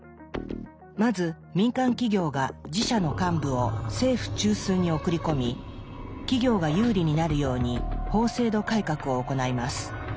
まず民間企業が自社の幹部を政府中枢に送り込み企業が有利になるように法制度改革を行います。